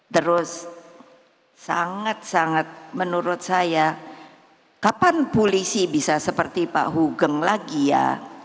terus sangat sangat menurut saya kapan polisi bisa seperti pak hugeng lagi ya